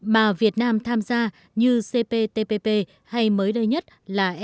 mà việt nam tham gia như cptpp hay mới đây nhất là e